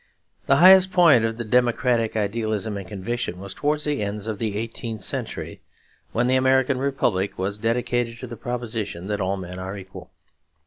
The highest point of democratic idealism and conviction was towards the end of the eighteenth century, when the American Republic was 'dedicated to the proposition that all men are equal.'